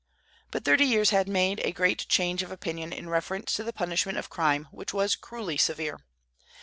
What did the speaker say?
But thirty years had made a great change of opinion in reference to the punishment of crime, which was cruelly severe.